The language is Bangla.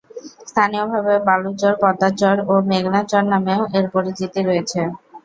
স্থানীয়ভাবে বালু চর, পদ্মার চর ও মেঘনার চর নামেও এর পরিচিতি রয়েছে।